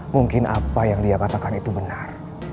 mungkin apa yang dia katakan itu benar